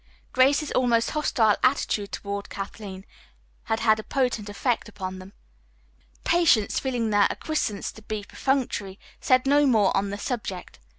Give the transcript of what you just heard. Grace's almost hostile attitude toward Kathleen had had a potent effect upon them. Patience, feeling their acquiescence to be perfunctory, said no more on the subject.